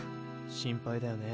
心配だよね。